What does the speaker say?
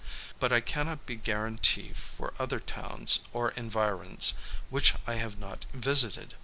But I cannot be guarantee for other towns or environs which I have not visited.